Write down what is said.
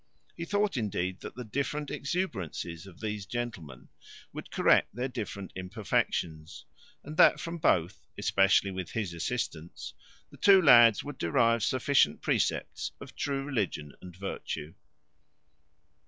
He thought, indeed, that the different exuberancies of these gentlemen would correct their different imperfections; and that from both, especially with his assistance, the two lads would derive sufficient precepts of true religion and virtue.